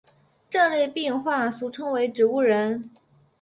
这类病患俗称为植物人。